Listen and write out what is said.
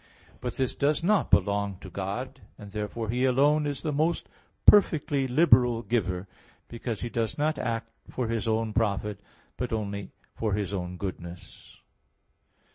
But this does not belong to God, and therefore He alone is the most perfectly liberal giver, because He does not act for His own profit, but only for His own goodness.